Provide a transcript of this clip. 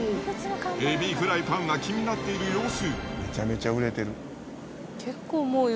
エビフライパンが気になっている様子。